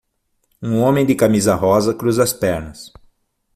Um homem de camisa rosa cruza as pernas.